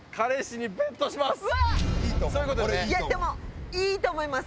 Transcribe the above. いやでもいいと思います。